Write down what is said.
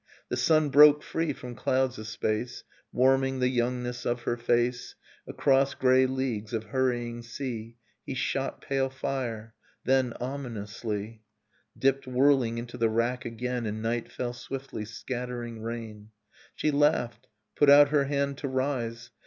The sun broke free from clouds a space. Warming the youngness of her face; Across grey leagues of hurrying sea He shot pale fire; then, ominously, Innocence Dipped whirling into the rack again, And night fell swiftly, scattering rain. She laughed, put out her hand to rise.